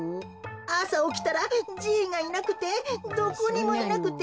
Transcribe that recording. あさおきたらじいがいなくてどこにもいなくて。